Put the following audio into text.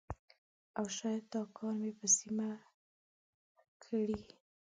او شاید دا کار مې په سمه کړی